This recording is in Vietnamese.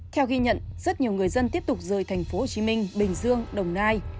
theo ghi nhận rất nhiều người dân tiếp tục rời thành phố hồ chí minh bình dương đồng nai